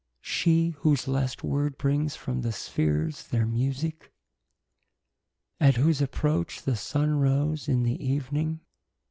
She , whose lest word brings from the spheares their musique. At whose approach the Sunne rose in the evening.